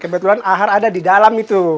kebetulan ahar ada di dalam itu